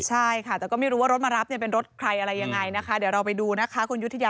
ใช่ค่ะแต่ก็ไม่รู้ว่ารถมารับเป็นรถใครอะไรยังไงนะคะ